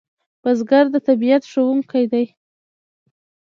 بزګر د طبیعت ښوونکی دی